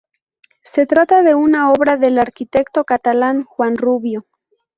Se trata de una obra del arquitecto catalán Juan Rubió.